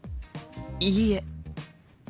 いいえ。